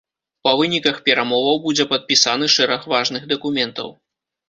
Па выніках перамоваў будзе падпісаны шэраг важных дакументаў.